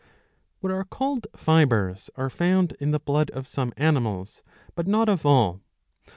What are called fibres^ are found in the blood of some animals but not of all.